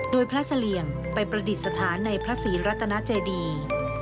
โดยพระเสลี่ยงไปประดิษฐานในพระศรีรัตนาเจดี